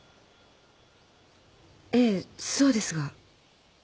ええそうですが。